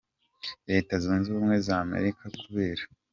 Leta Zunze Ubumwe za Amerika kubera.